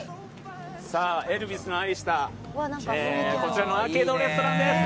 さあ、エルヴィスの愛したアーケードレストランです。